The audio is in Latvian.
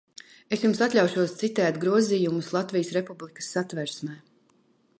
Es jums atļaušos citēt grozījumus Latvijas Republikas Satversmē.